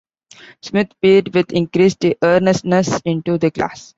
Smith peered with increased earnestness into the glass.